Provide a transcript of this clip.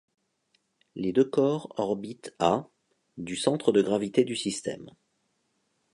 Les deux corps orbitent à du centre de gravité du système.